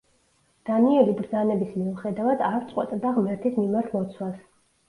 დანიელი ბრძანების მიუხედავად, არ წყვეტდა ღმერთის მიმართ ლოცვას.